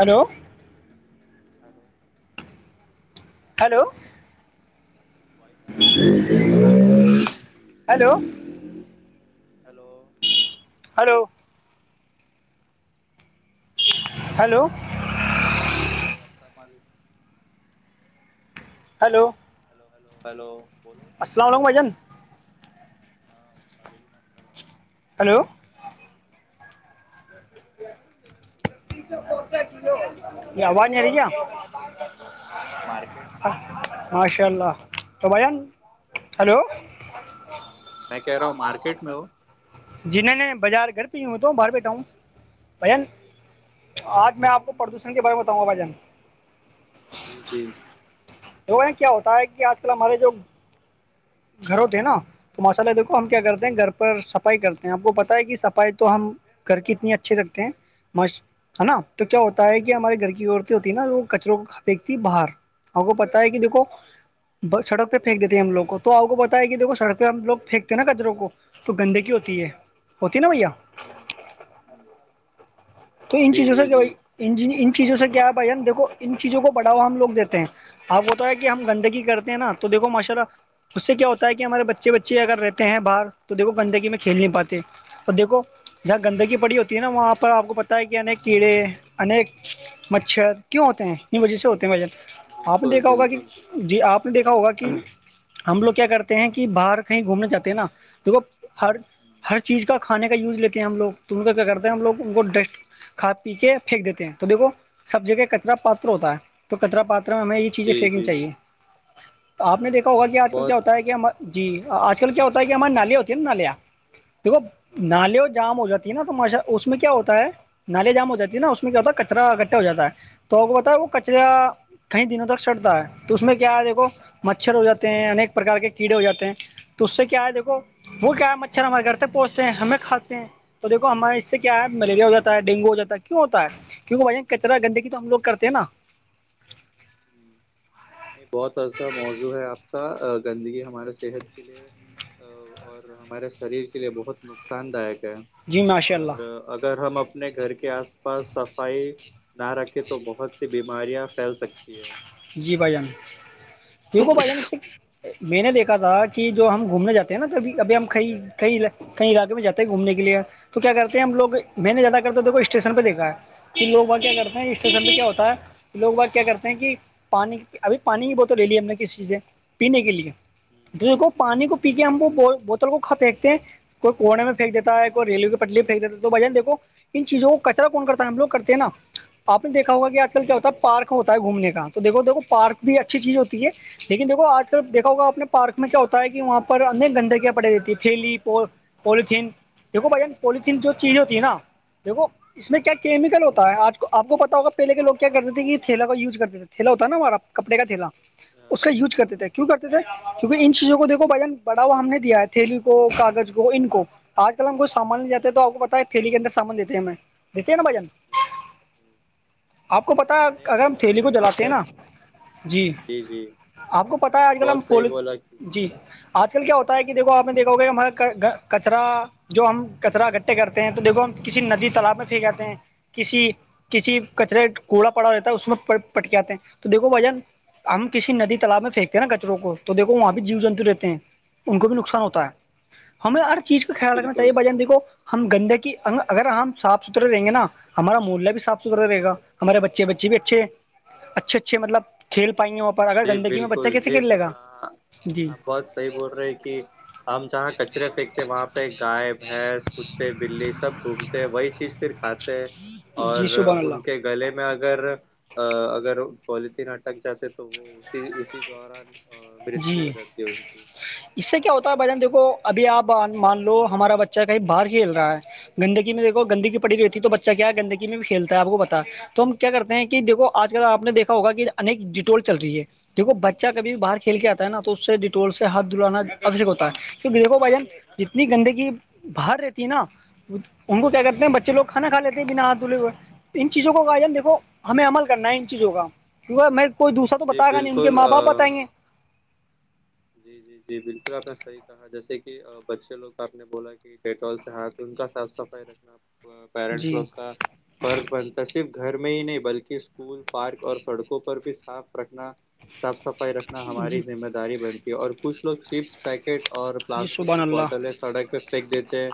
hello hello hello wise آ رہی ہے ہیلو ہیلو ہلو ہلو ہاں ہلو السلام علیکم ہیلو ہلو ہلو ہلو بو السلام علم بھائیان ہاں وعلیکم السلام ہلو یہ آواز نہیں رہی کیا ارے یار مارکیٹ میں ہو کیا ماشاء اللہ تو بھائیان ہلو میں کہہ رہا ہوں مارکیٹ میں ہ جی نہیں نے بازار گھر پہ ہی ہوتا ہوں باہر بیٹھا ہوں بھان آج میں آپ کو پردشن کے بار میں بتاؤ گا بھ جان جی جی تو وہ کیا ہوتا ہے کہ آج کل ہمارے جو گھروں تھے نا تو ماشاء اللہ دیکھو ہم کیا کرتے ہیں گھر پر صفائی کرتے ہیں آپ کو پت ہے کہ صفائی تو ہم کر کے اتنی اچھے کرتے ہیں مش ہے نا تو کیا ہوتا ہے کہ ہمارے گھر کی عورتیں ہوتی ہے نا وہ کچروں کو پپنکتی ہے باہر ہم ہے کہ دیکھو سڑک پہ پھینک دیتی ہیں ہم لوگ کو تو تو آپ کو پت ہے کہ دیکھو سڑک پہ ہم لوگ پھینتے ہیں نا کجروں کو تو گندگی ہوتی ہے ہوتی نا بھیا ہوں ہوں تو ان چیزوں سے کیا بھائی ان چیزوں سے کیا ہے بھائی دیکو ان چیزوں کو بڑھوا ہم لوگ دیتے ہیں اب وہ تو ہے کہ ہم گندگی کرتے ہیں نا تو دیکھو ماشرہ اس سے کیا ہوتا ہے کہ ہمارے بچے بچے اگر رہتے ہیں باہر تو دیکھو گندگی میں کھیل نہیں پاتے تو دیکو جہاں گندگی پڑی ہوتی ہے نا وہاں پر آپ کو پ ہوتا ہے کہ ان کیڑے انیک مچھر کیوں ہوتے ہیں ان وجہ سے ہوتے ہیں بھن آپ نے بالکل دیکھا ہوگا کہ بالکل جی آپ نے دیکھا ہوگا کہ ہم لوگ کیا کرتے ہیں کہ باہر کہیں گھومنے جاتے ہیں نا دیکھو ہر ہر چیز کا کھانے کا یو لیتے ہم لوگ تو ان کا کیا کرتے ہیں ہم لوگ کو ڈسٹ کھ پی کے پھینک دیتے ہیں تو دیکھو سب جگہ کچرا پاتر ہوتا ہے تو کترا پاتر میں ہمیں یہ چیزیں جی پھیننی جی چاہیے تو آپ نے جی دیکھا بہت ہوگا کہ آج کل کیا بہت ہوتا ہے کہ ہم جی آج کل کیا ہوتا ہے کہ ہمار نالے ہوتی ہیں نا نالیاں دیکھو ہاں نالی جام ہو جاتے نا تواشا اس میں کیا ہوتا ہے نالے جام ہو جاتی ہیں نا اس میں کیا ہوتا ہے کچرا اکٹھا ہو جات ہے تو وہ بتا ہے وہ کچرا ہاں کئی دنوں تک سڑتا ہے تو اس میں کیا ہے دیکھو مچھر ہو جاتے ہیں انیک پرکار کے کیڑے ہو جاتے ہیں تو اس سے کیا ہے دیکھو وہ کیا ہے مچھر ہمارے گھر تک پہنچتے ہیں ہمیں کھاتے ہیں تو دیکو ہمار اس سے کیا ہے ملیریا وغہ ہے ڈینگو ہو جا ہے کیوں ہوتا ہے کیکہ بھائی کچرا گندگی تو ہم لگ کرتے ہیں نا ہوں نہیں بہت ایصا موضوع ہے آپ کا گندگی ہمارے صحت کے لیے اور ہمارے شریر کے لیے بہت نقصان داک ہے جی ماشاء اور اللہ اگر ہم اپ اپنے گھر کے آس پاس صفائی نہ رکھے تو بہت سی بیماریاں پھیل سکتی ہے جی بھائی جان کیوں کو بھائی جان اس سے میں نے دیکھا تھا کہ جو ہم گھومنے جاتے ہیں نا تبھی ابھی ہم کیں کیں کئی علاقے میں جاتے ہیں گھومنے کے لیے تو کیا کرتے ہیں ہم لوگ ہوں میں نے زیادہ کرتے دیکھو اسٹیشن پہ دیکھا ہے کہ لوگ وہ کیا کرتے ہیں ہاں اسٹیشن میں کیا ہوتا ہے لوگ وہ کیا کرتے ہیں کہ پانی ابھی پانی کی بوتل لے لی ہم نے کسی چیز سے پینے کے لیے ہوں تو پانی کو پی کے ہم ہوں وہ بوتل کو کا پنکتے ہیں کوئی کوورے میں پنیک دیتا ہے کوئی ریو کے پلی پنک دیتا تو بھائی جان دیکو ان چیزوں کو کچرا کون کرتا ہے ہم لگ کرتے ہیں نا آپ نے دیکھا ہوگا کہ آج کل کیا جی ہوتا جی ہے پارک ہوتا ہے گھومنے کا تو دیکو دھو پارک بھی اچھی چیز ہوتی ہے لیکن دیکھو آج کل دیکھا ہوگا ہوں اپنے پارک میں کیا ہوتا ہے کہ وہاں پر ان گندگیاں پڑی رہیتی ہے تھیلی پ پولیتھین دیکھو بھائی جان ہوں ہوں پولیتھین جو چیز ہوتی ہے نا دیکو اس میں کیا کیمیکل ہوتا ہے آج آپ کو پتا ہوگا پہلے کے لو کیا کرتے تھے کہ تھیلا کا یوز کرتے تھے تھیلا ہوتا ہے نا ہمارا کپڑے کا تھیلا اس ہاں کا یوز ہاں کرتے تھے کی ہاں کر تھے کیکہ ان چیزوں کو دیکھو بھ جان بڑاوا ہم نے دیا ہے تھیلی کو کاغذ کو ان کو آج کل ہم کوئی سامان ل ہوں جاتے تو آپ کو پتا ہے تھیلی کے اندر سامان دیتے ہیں ہمیں دیتے ہیں نا بھجن جی آپ کو پتا اگر ہم تھیلی کو جلاتے نے نا جی آپ کو پتا ہے نے آج کل ہم بہت صحیح پول بولا کہ جی آج کل کیا ہوتا ہے کہ دھو آپ نے دیکھاگا کہ ہمارے کچرا جو ہم کچرا اکٹھے کرتے ہیں تو دیکھو ہم کسی ندی تالاب میں پھینک آے ہیں کسی کسی کچرے کوڑا پڑا رہتا ہے اس میں پٹکاتے ہیں تو دیکھو بھجن ہم کسی ندی تالاب میں پھینتے ہیں نا کچروں کو تو دھو وہاں بھی جیو جنتو رہتے ہیں ان کو بھی نقصان ہوتا ہے ہمیں ہر چیز کا جی خیال رکھنا بالکل چاہیے بجتی کو ہم گندا کی انگ اگر ہم صاف ستھرے دیں گے نا ہمارا محلہ بھی صاف ستھرا رہے گا ہمارے بچے بچے بھی اچھے اچھے اچھے مطلب کھیل پائیں گے وہاں پر اگر جی گندگی میں بچہ بالکل کیسے کھیل لے گا جی صحی بول رہے ہیں کہ ہم جہاں کچرے پھینکتے وہاں پہ گائے بھینس کتے بلی سب گھومتے ہیں وہی چیز پھر کھاتے [unintelligible] اور جی شبحان ان کے اللہ گلے میں اگر اگر پلیتین اٹک جاتے تو تو وہ اسی اسی دوران مردو ہو جی جاتی ہے ان کی اس سے کیا ہوتا ہے بھائی جان دیکو ابھی آپ مان لو ہمارا بچہ کہیں باہر کھیل رہا ہے گندگی میں دیکھو گندگی پڑی رہتی ہے تو بچہ کیا گندگی میں بھی کھیلتا ہے آپ کو پتا تو ہم کرتے ہیں کہ دیکو آج کل آپ نے دیکا ہوگا کہ انیک ڈیٹول چل رہی ہے دیکو بچہ کبھی باہر کے کھیل کے آتا ہے نا جی تو اس سے ڈٹول سے ہاتھ دھلانا آوک ہوتا ہےیکو بھائی جن جتنی گندگی باہر رہتی نا ان کو کیا کرتے ہیں بچے لو کھانا کھا لیتے ہیں بنا ہاتھ دولے ہوئے ان چیزوں کو کا دیکو ہمیں عمل کرنا ہے ان چیزوں کا کیکہ میں کوئی دوسرا تو جی بتا گا نہیں ان کے ماں باپ بتیں بالکل گے جی جی جی بالکل آپ نے صحیح کہ جیسے کہ بچے لوگ کا آپ نے بولا کہ ڈیٹول سے ہاتھ ان کا صاف صفائی رکھنا پیرنٹس جی لوگ کا فرض بنتا صرف گھر میں ہی نہیں بلکہ اسکول پارک اور سڑکوں پر بھی صاف رکھنا صاف صفائی رکھنا ہماری جی ذمہ داری بنتی ہے اور کچھ لوگ چپس پیکٹ اور جی پلاسٹک سبحان کی اللہ بوتلیں سڑک پہ پھینک دیتے ہیں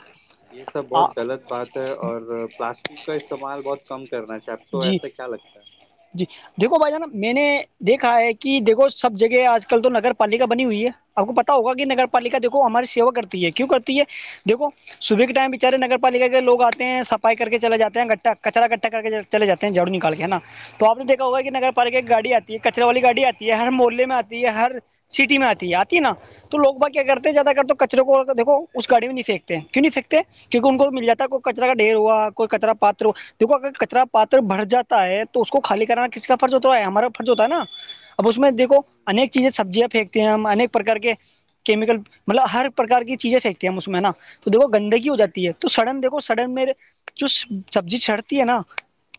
یہ سب آ بہت غلط بات اور پلاسٹک کا استعمال بہت کم کرنا چاہے آپ کو جی ایسا کیا لگتا ہے جی دیکھو بھائی جان میں نے دیکھا ہے کہ دیکھو سب جگہ آج کل تو نگر پالکا بنی ہوئی ہے آپ کو پتا ہوگا کہ نگر پالکا دیکھو ہماری سیوا کرتی ہے کیوں ہاں کرتی ہے دیکھو صبح کے ٹائم بےچارے نگر پالکا کے لو آتے ہیں صفائی کر کے چل جاتے ہیں گٹھاچا گٹھا کر کے چلے جات ہیں جاڑو نکال کے ہے نا تو آپ دیکھا ہوگا کہ ہوں نگر پالکا کی گاڑی آتی ہے کچرے والی گاڑی آتی ہے ہر محلے میں آ ہے ہر سٹی میں آتی ہے آتی ہے نا تو لوگ باقی کیا ہوں کرتے ہوں زیادہ کر تو کچروں کو دیکو اس گاڑی میں نہیں پھینتے کیوں نہیں پھییکتے کیونکہ ان کو مل جا ہے کو کچرا کا ڈھیر ہوں ہوا کوئی کچرا پاتر ہوا دیکو اگر کچرا پاتر بڑھر جاتا ہے تو تو اس کو خالی کرانا کس کا فرض ہوتا ہے ہمارا فرض ہوتا ہے نا اب اس میں دیکو ہوں ہوں اک چیزیں سبزیاں پھینکتی ہیں ہمیک پرک کے کیمیکل مطلب ہر پرکار کی چیزیں پھییکتی ہیں ہم اس میں نا تو دیکھو گندگی ہو جاتی ہے تو سڈن دیکھو سڈن میں جو سبزی چڑتی ہے نا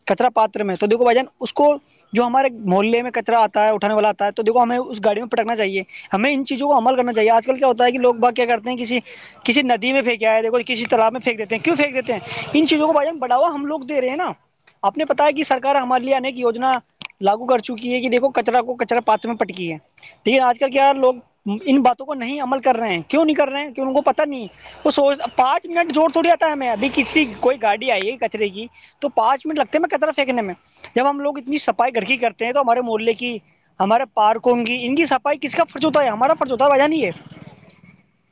کچرا پات میں تو دیکھو بھ جان اس ہوں کو جو ہمارے محلے میں کچر آتا ہے اٹھے والا آتا ہے تو دیکو ہمیں اس گاڑی میں پٹکنا چاہیے ہمیں ان چیزوں کو عمل کرنا چاہیے آج کل کیا ہوتا ہے لوگ با کیا کرتے ہیں کسی کسی ندی میں پھینک آیائے دیک کسی تالاب میں پھینک دیتے ہیں کیوں پھییک دیتے ہیں ان چیزوں کو بھ ہم بڑاوا ہم لوگے ہیں نا آپ نے بتایا کہ سرک ار ہمارے لیے انیک یجنا لاگو کر چکی ہے کہ دیکو کچرا کو کچرا پات میں پٹکی ہے لیکن آج کل کیا لوگ ان باتوں کو نہیں عمل کر رہے ہیں کیوں نہیں کر رہے ہیں کی ان کو پتا نہیں وہ سوچ پانچ منٹ جوور تھڑ آتا ہے ہم ابھی کسی کوئی گاڑی آئی ہے کچرے کی تو پانچ منٹ لگتے میں کطر پھینکنے میں جب ہم لوگ اتنی صفائی گڑکی کرتے ہیں تو ہمارے محلے کی ہمارے پارکوں کی ان کی صفائی کس کا فرض ہوتا ہے ہمارا فرض ہوتا ہے وجہ نہیں ہے [unintelligible]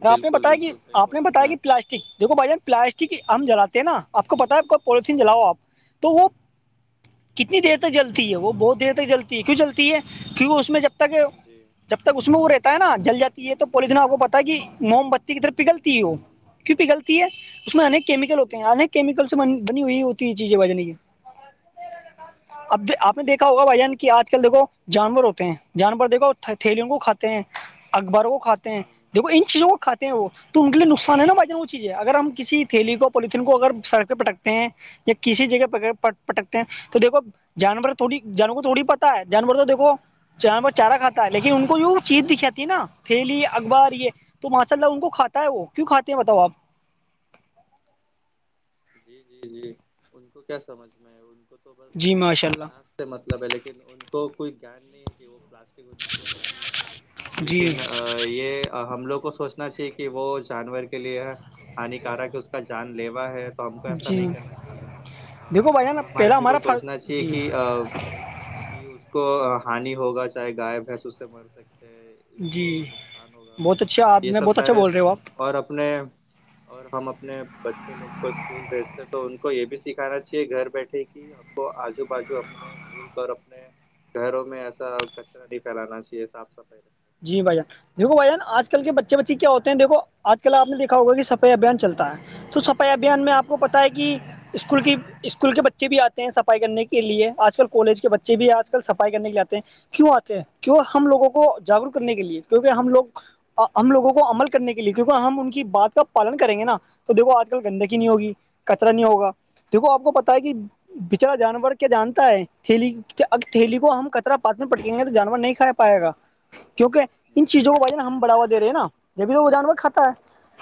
اور آپ نے بالکل بتایا کہ بالکل صحیح آپ نے بولا بتایا کہ پلاس دیکو بھائی ہم پلاسٹک ا جلاتے ہیں نا آپ کو پتا ہے کو پلیتھیین جلاؤ آپ تو وہ کتنی دیر تک جلتی ہے وہ بہت دیر تک جلتی ہے کیوں چلتی ہے کیوں اس میں جب تک جی جب تک اس میں وہ رہتا ہے نا جل جاتی ہے تو پولیس آپ کو پتا ہے کہ موم بتی کی طرف پگلتی ہے وہ کی پہ غطتی ہے اس میںیک کیمیکل ہوتے ہیں جی انیک کیمیکل سے بنی ہوئی ہوتی ہے چیزیں بجنے کی اب جی آپ نے جی دیکا ہوگا بالکل بھائی جان کی بالکل آج کل دیکو جانور ہوتے ہیں جانور دیکھو تھیلیوں کو کھاتے ہیں اخباروں کو کھاتے ہیں ہ ہیں دیکو ان چیزوں کو کاتے وہ تو ان کے لیے نقصان ہے نا بھائی جان وہ چیز ہے اگر ہم کسی تھیلی کو پولیتھی کو اگر سڑکہ پٹکتے ہیں یا کسی جگہ پہ پ [inaudible] پٹکتے ہیں تو دھو جانور تھوڑی جانور کو تھوڑی پتا ہے جانور تو دیکھو جہاں پر چارا کھاتا ہے لیکن ان کو جو چیز دکھاتی ہے نا تھیلی اخبار یہ تو ماشاء اللہ ان کو کاتا ہے وہ کیوں کات ہیں بتاؤ آپ جی جی جی ان کو کیا سمجھ میں ہے ان کو تو بس جی ماشاء اللہ اناج [inaudible] مطلب ہے لیکن ان کوئی گان نہیں ہے کہ وہ پلاسٹک ان کے لیے ہانی ہے جی لیکن یہ ہم لوگ کو سوچنا چاہیے کہ وہ جانور کے لیے ہے ہان کارک ہے اس کا جان لیوا ہے تو ہم کو ایسا جی نہیں کرنا چاہیے ا دیکھو بھائی جان عام پہلا آدمی کو ہمارا سوچنا فرض چاہیے جی کہ کہ اس کو ہانی ہوگا چاہے گغائےب بھینس اس سے مر سکتے اس کو جی نقصان ہوگا بہت اچھا آپ یہ نے سب بہت اچھا سارے بول رہے ہو آپ اور اپنے اور ہم اپنے بچوں لوگ کو اسکول بھیجتے تو ان کو یہ بھی سکھانا چاہیے گھر بیٹھے کہ ہم کو آجو باجو اپنے مک اور اپنے گھروں میں ایسا کچرا نہیں پھیلانا چاہیے صاف صف جی بھائییا [unintelligible] دیکو بھائیان آج کل کے بچے بچے کیا ہوتے ہیں دیکو آج کل آپ نے دیکھا ہوگا کہ صفائی ابھیان چلتا ہے تو سب ابھیان میں آپ کو پتا ہے کہ اسکول کی اسکول کے بچے بھی آتے ہیں صفائی کرنے کے لیے آج کل کالج بچے بھی آج کل سفائی کرنے کے آتے ہیں کیوں آتے ہیں کیوں ہم لگوں کو جاگروک کرنے کے لیے کیونکہ ہم لوگ ہم لوگوں کو عمل کرنے کے لیے کیونکہ ہم ان کی بات کا پالن کریں گے نا تو دیکھو آج کل گندگی نہیں ہوگی کچرا نہیں ہوگا دیکھو آپ کو پتا ہے کہ بچلاا جانور کیا جانتا ہے تھیلی ا تھیلی کو ہم کطر پات میں پٹکیں گے تو جانور نہیں کھا پائے گا کیونکہ ان چیزوں کو و ہم بڑھوا د رہے ہیں نا جبھی تو وہ جانور کھاتا ہے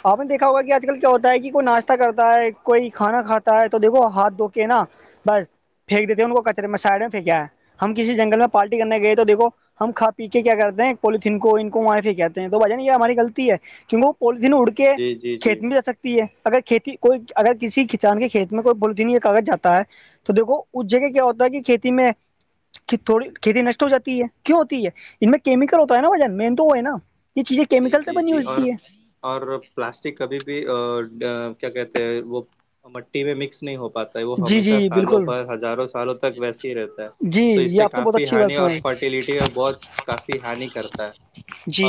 آپ نے دیکا ہوگا آجل چاہیے کیا ہ ہ ہ ہوتا ہے کہ کوئی ناشت کرتا ہے کوئی کھانا کھاتا ہے تو دیکھو ہاتھ دھو کے نا بس پھینک دیتے ہیں ان کو کچرے میں سائڈ میں پھییکا ہے ہم کسی جنگل میں پالٹی کرنے ہ گئے تو دیکھو ہم کا پی کے کیا کرتے پالیتھین کو ان کو معافی کہتے ہیں تو بھائین یہ ہماری غلط ہے کیونکہ وہ پیتھیین اڑ کے کہ جی ہ جی جی کھیت جی میں بھی جا سکتے [inaudible] اگر کھیتی کوئی اگر کسی کسان کے کھیت میں کوئی بلدنی کاغذ جاتا ہے تو دیکو اس جگہ کیا ہوتا ہے کہ کھیتی میں کہ تھوڑی کھیتی نشٹ ہو جاتی ہے کیوں ہوتی ہے ان میں کیمیکل ہوتا ہے نا وجن مین تو وہ ہے نا یہ چیزیں جی کیمیکل سے جی بنی جی اور ہوتی ہے اور پلاسٹک کبھی بھی کیا کہتے ہیں وہ مٹی میں مکس نہیں ہو پاتا وہ جی ہمیشہ جی سالوں بالکل پر ہزاروں سالوں تک ویسے رہتا ہے جی تو اس یہ سے آپ نے بہت کافی اچھی بات ہانی اور سنائی فرٹیلٹی میں بہت کافی ہانی کرتا ہے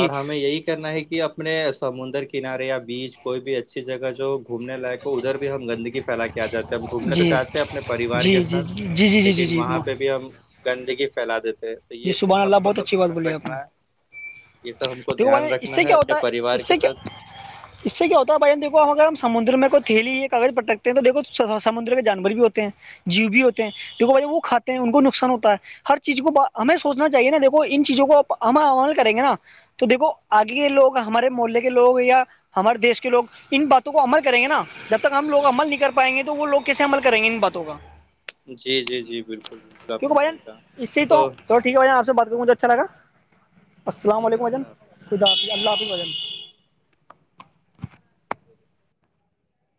اور ہمیں یہی کرنا ہے کہ اپنے سمندر کنارے یا بیچ کوئی بھی اچھی جگہ جو گھومنے لائق ہو ادھر بھی ہم گندگی پھیلا کے آ جاتے ہیں ہم گھومنے تو جی چاتتے ہیں اپنے پریوار کے جی جی جی ساتھ جی جی جی لیکن جی وہاں پہ بھی ہم گندگی پھیلا دیتے ہیں تو جی یہ سبحان صرف ہم اللہ کو بہت سب اچھی بات دھیان بولی آپ نے رکھنا ہے یہ ہم کو دیکھو دھیان بھائی اس رکھنا سے ہے کیا اپنے ہوتا پریوار اس کے سے کیا ساتھ اس سے کیا ہوتا ہے بائین دیکو ہم اگر ہم سمندر میں کوئی تھیلی کاغذ پٹکتے ہیں تو دیکھو سمندر کے جانور بھی ہوتے ہیں جیو بھی ہوتے ہیں تو وہ کھاتے ہیں ان کو نقصان ہوتا ہے ہر چیز کو ہمیں سوچنا چاہیے نا دیکھو ان چیزوں کو ہم عمل کریں گے نا تو دیکھو آگے ہ ہ کے لوگ ہمارے محلے کے لوگ یا ہمارے دیش کے لوگ ان باتوں کو عمل کریں گے نا جب تک ہم لوگ عمل نہیں کر پائیں گے تو وہ لوگ کیسے عمل کریں گے ان باتوں کا جی جی جی بالکل بالکل آپ کا صحیح کہا تو تول ٹھیک ہے بھائیان آپ سے بات کر مجھے اچھا لگا السلام ٹھیک ہے علیکم بین اللہ حافظ خدافظ اللہ حافظ وھجن